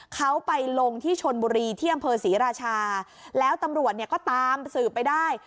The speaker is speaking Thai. เขาไปลงที่ชนบุรีที่อศิราชาแล้วตำรวจก็ตามสืบไปได้